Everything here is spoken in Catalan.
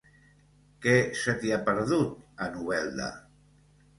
Què se t'hi ha perdut, a Novelda?